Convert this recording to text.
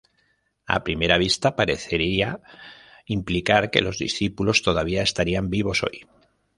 A primera vista, parecería implicar que los discípulos todavía estarían vivos hoy.